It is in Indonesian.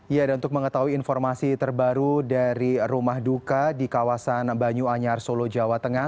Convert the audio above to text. ya dan untuk mengetahui informasi terbaru dari rumah duka di kawasan banyu anyar solo jawa tengah